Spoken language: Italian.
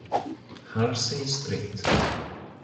Halsey Street